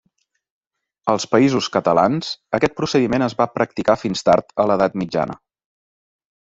Als Països Catalans, aquest procediment es va practicar fins tard a l'Edat Mitjana.